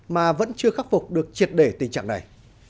mà vẫn chưa khắc phục được triệt để tình trạng này